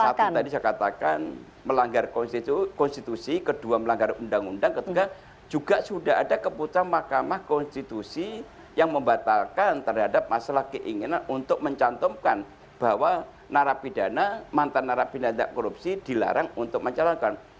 satu tadi saya katakan melanggar konstitusi kedua melanggar undang undang ketiga juga sudah ada keputusan mahkamah konstitusi yang membatalkan terhadap masalah keinginan untuk mencantumkan bahwa narapidana mantan narapidana korupsi dilarang untuk mencalonkan